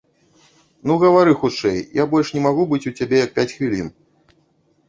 Ну гавары хутчэй, я больш не магу быць у цябе як пяць хвілін.